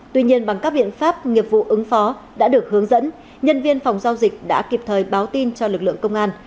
tuy nhiên bằng các biện pháp nghiệp vụ ứng phó đã được hướng dẫn nhân viên phòng giao dịch đã kịp thời báo tin cho lực lượng công an